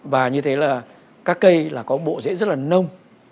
và như thế là các cây là có bộ dễ rất là nông